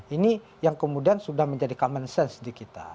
ini yang kemudian sudah menjadi common sense di kita